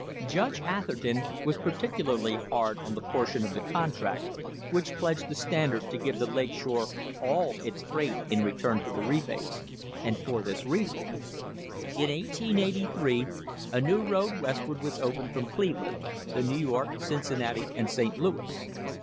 Judge Atherton was particularly hard on the portion of the contract * which pledged the Standard to give the Lake Shore all its freight in return for the rebates, and for this reason: In 1883 a new road Westward was opened from Cleveland, the New York, Cincinnati and St. Louis.